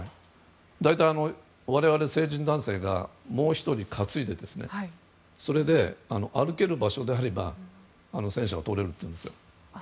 大体我々成人男性がもう１人担いで歩ける場所であれば戦車は通れるんですよ。